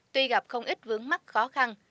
tuy gặp không ít vướng mắt khó khăn